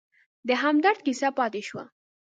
د همدرد کیسه پاتې شوه.